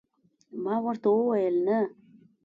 ما ورته وویل: نه.